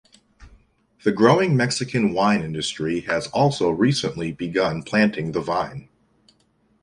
The growing Mexican wine industry has also recently begun planting the vine.